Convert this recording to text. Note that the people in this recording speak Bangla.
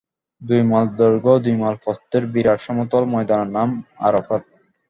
দুই মাইল দৈর্ঘ্য ও দুই মাইল প্রস্থের বিরাট সমতল ময়দানের নাম আরাফাত।